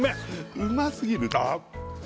うますぎるあっ